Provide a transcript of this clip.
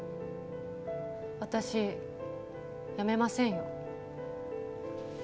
私辞めませんよ。